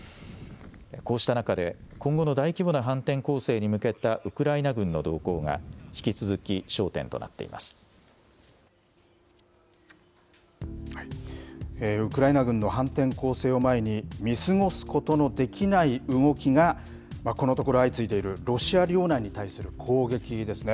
こうした中で、今後の大規模な反転攻勢に向けたウクライナ軍の動向が引き続き、ウクライナ軍の反転攻勢を前に、見過ごすことのできない動きが、このところ相次いでいるロシア領内に対する攻撃ですね。